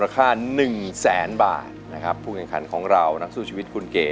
ขาดหายไป